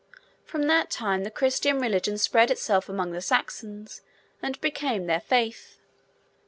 From that time, the Christian religion spread itself among the Saxons, and became their faith.